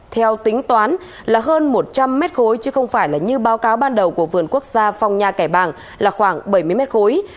theo tính toán là hơn một trăm linh mét khối chứ không phải là như báo cáo ban đầu của vườn quốc gia phong nha kẻ bàng là khoảng bảy mươi mét khối